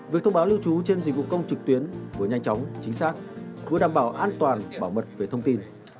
việc thông báo lưu trú trên dịch vụ công trực tuyến vừa nhanh chóng chính xác vừa đảm bảo an toàn bảo mật về thông tin